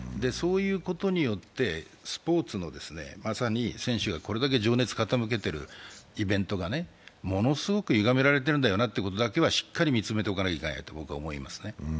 そういうことによって、スポーツのまさに選手がこれだけ情熱傾けてるイベントがものすごく歪められてるんだよなということだけはしっかり見つめておかなければいけないと僕は思います。